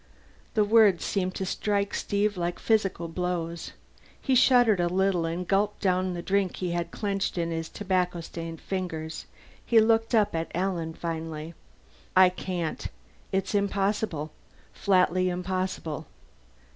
The words seemed to strike Steve like physical blows. He shuddered a little and gulped down the drink he held clutched in tobacco stained fingers. He looked up at Alan, finally. "I can't. It's impossible. Flatly impossible."